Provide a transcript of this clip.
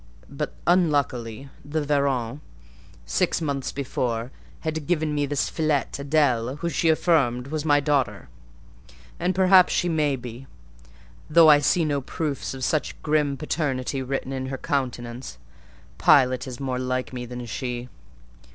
But unluckily the Varens, six months before, had given me this filette Adèle, who, she affirmed, was my daughter; and perhaps she may be, though I see no proofs of such grim paternity written in her countenance: Pilot is more like me than she.